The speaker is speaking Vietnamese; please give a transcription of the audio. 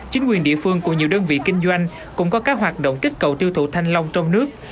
chính quyền địa phương cùng nhiều đơn vị kinh doanh cũng có các hoạt động kích cầu tiêu thụ thanh long trong nước